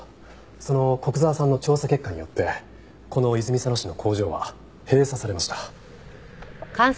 その古久沢さんの調査結果によってこの泉佐野市の工場は閉鎖されました。